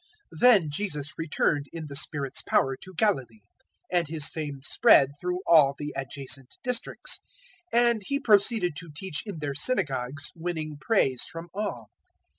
004:014 Then Jesus returned in the Spirit's power to Galilee; and His fame spread through all the adjacent districts. 004:015 And He proceeded to teach in their synagogues, winning praise from all.